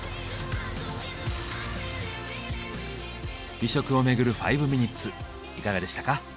美食をめぐる５ミニッツいかがでしたか？